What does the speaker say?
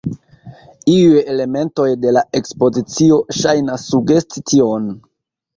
Iuj elementoj de la ekspozicio ŝajnas sugesti tion.